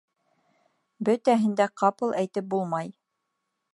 Бөтәһен дә ҡапыл әйтеп булмай...